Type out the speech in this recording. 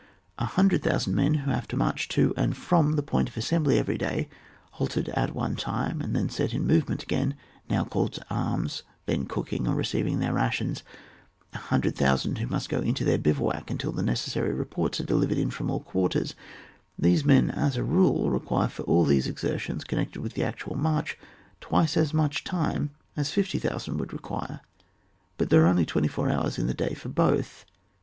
A hundred thonsandmen who have to march to and from the point of assembly every day, halted at one time, and then set in movement again, now called to ^ums, then cooking or receiving their rations^ a hundred thousand who must not go into their bivouac until the necessary reports are delivered in from all quarters — these men, as a rule, require for all these exertions connected wiUi the actual march, twice as much time as 50,000 would require, but there are only twenty four hours in the day for both.